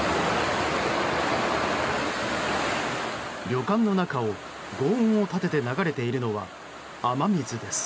旅館の中を轟音を立てて流れているのは雨水です。